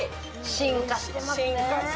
進化してますね。